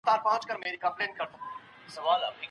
سياست پوهنه د ټولنيزو علومو يوه برخه ده.